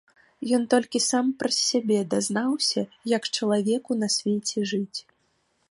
Ён толькі сам праз сябе дазнаўся, як чалавеку на свеце жыць.